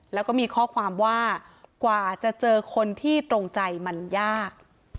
แล้วก็มีข้อความว่ากว่าจะเจอคนที่ตรงใจมันยาก